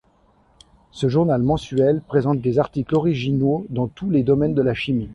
Ce journal mensuel présente des articles originaux dans tous les domaines de la chimie.